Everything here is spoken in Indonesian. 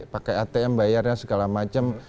pakai atm bayarnya segala macam